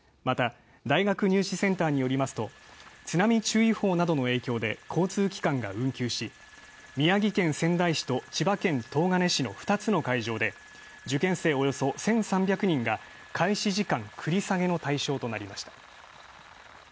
また、大学入試センターによりますと津波注意報などの影響で交通機関が運休し、宮城県仙台市と千葉県東金市の２つの会場で受験生、およそ１３００人が開始時間繰り下げの対象となりました。